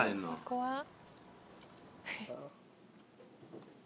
怖っ。